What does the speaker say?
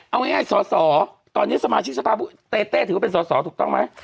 เอาง่ายสอสอตอนนี้สมาชิกสภาพผู้เต้ถือว่าเป็นสอสอถูกต้องไหม